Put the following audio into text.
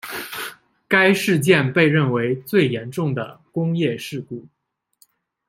该事件被认为最严重的工业事故。